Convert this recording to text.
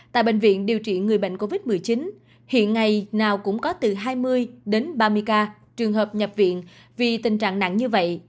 tại bệnh viện điều trị người bệnh covid một mươi chín hiện ngày nào cũng có từ hai mươi đến ba mươi ca trường hợp nhập viện vì tình trạng nặng như vậy